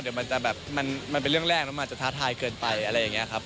เดี๋ยวมันจะแบบมันเป็นเรื่องแรกแล้วมันจะท้าทายเกินไปอะไรอย่างนี้ครับ